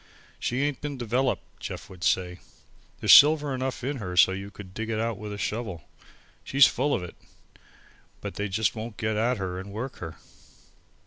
"She ain't been developed," Jeff would say. "There's silver enough in her so you could dig it out with a shovel. She's full of it. But they won't get at her and work her."